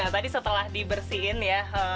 tadi setelah dibersihin ya